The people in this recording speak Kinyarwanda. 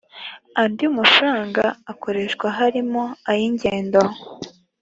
andi mafaranga akoreshwa harimo ay ingendo